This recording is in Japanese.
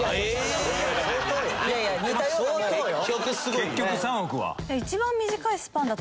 結局３億は。